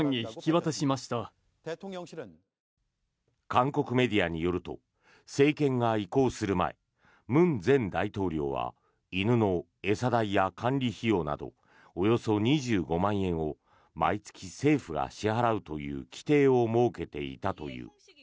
韓国メディアによると政権が移行する前文前大統領は犬の餌代や管理費用などおよそ２５万円を毎月、政府が支払うという規定を設けていたという。